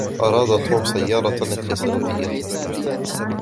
أراد توم سيارةً اقتصادية.